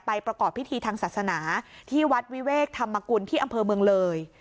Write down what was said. ประกอบพิธีทางศาสนาที่วัดวิเวกธรรมกุลที่อำเภอเมืองเลย